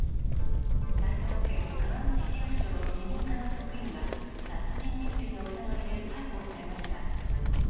埼玉県川口市役所の市民課の職員が、殺人未遂の疑いで逮捕されました。